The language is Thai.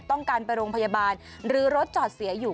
ต้องการไปโรงพยาบาลหรือรถจอดเสียอยู่